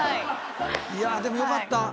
いやでもよかった。